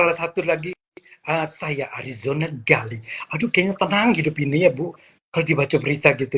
salah satu lagi saya arizoner gali aduh kayaknya tenang hidup ini ya bu kalau dibaca berita gitu